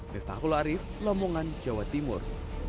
mirta khul arief lambungan jawa timur